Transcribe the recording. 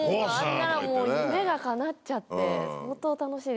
何ならもう夢がかなっちゃって相当楽しいですよね。